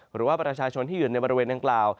หรือว่าประชาชนที่อยู่ในบริเวณดังกล่าว